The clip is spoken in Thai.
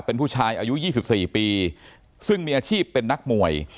เป็นผู้ชายอายุ๒๔ปีซึ่งมีอาชีพเป็นนักมวย